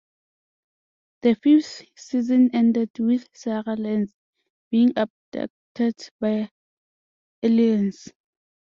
The fifth season ended with Sara Lance being abducted by aliens.